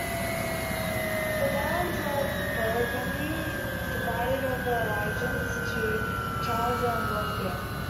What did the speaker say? The barons of Burgundy divided over allegiance to Charles and Lothair.